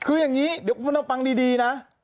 คืออย่างนี้เดี๋ยวคุณเอาฟังดีนะ